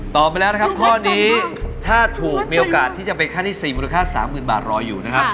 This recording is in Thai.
ไปแล้วนะครับข้อนี้ถ้าถูกมีโอกาสที่จะเป็นขั้นที่๔มูลค่า๓๐๐๐บาทรออยู่นะครับ